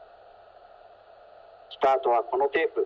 スタートはこのテープ。